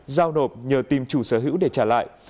giao nộp nhờ tìm chủ sở hữu để trả lại